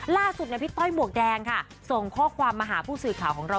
ล่าสุดพี่ต้อยหมวกแดงค่ะส่งข้อความมาหาผู้สื่อข่าวของเรา